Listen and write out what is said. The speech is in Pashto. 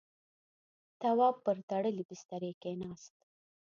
تواب پر تړلی بسترې کېناست.